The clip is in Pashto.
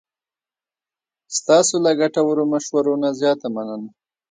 ستاسو له ګټورو مشورو نه زیاته مننه.